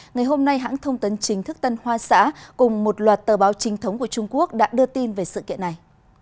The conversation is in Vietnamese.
ngày hôm nay hãng thông tấn chính thức tân hoa xã cùng một loạt tờ báo trinh thống của trung quốc đã đưa tin về sự kiện này